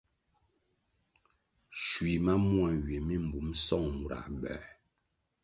Schui ma mua nywie mi mbum song murãh bĕr.